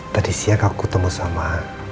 tadi siang aku ketemu sama